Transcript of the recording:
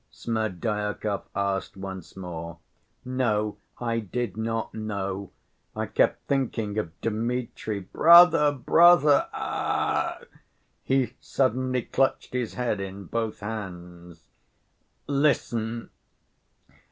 Smerdyakov asked once more. "No, I did not know. I kept thinking of Dmitri. Brother, brother! Ach!" He suddenly clutched his head in both hands. "Listen.